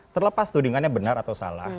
terlepas tudingannya benar atau salah